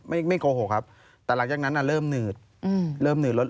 ไม่ไม่โกหกครับแต่หลังจากนั้นอ่ะเริ่มหนืดอืมเริ่มหืดรถ